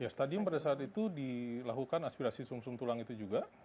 ya stadium pada saat itu dilakukan aspirasi sungsum tulang itu juga